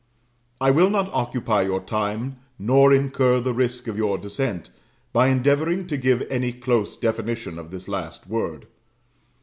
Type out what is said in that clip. I will not occupy your time, nor incur the risk of your dissent, by endeavouring to give any close definition of this last word.